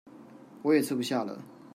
我也吃不下了